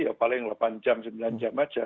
ya paling delapan jam sembilan jam aja